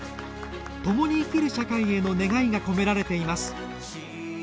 共に生きる社会への願いが込められています。